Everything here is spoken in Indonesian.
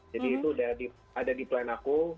jadi itu udah ada di plan aku